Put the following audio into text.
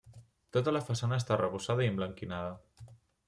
Tota la façana està arrebossada i emblanquinada.